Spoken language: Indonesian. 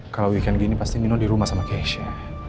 kalau weekend gini pasti nino dirumah sama keisha